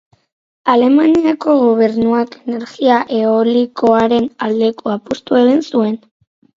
Alemaniako gobernuak energia eolikoaren aldeko apustu egin zuen.